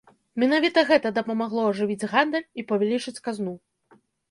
Менавіта гэта дапамагло ажывіць гандаль і павялічыць казну.